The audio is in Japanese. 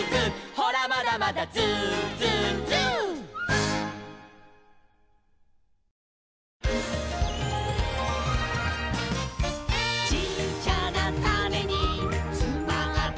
「ほらまだまだＺｏｏＺｏｏＺｏｏ」「ちっちゃなタネにつまってるんだ」